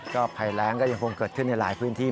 ก็ภัยแรงก็ยังคงเกิดขึ้นในหลายพื้นที่